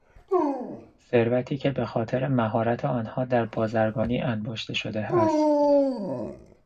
ثروتی که به خاطر مهارت آنها در بازرگانی انباشته شده است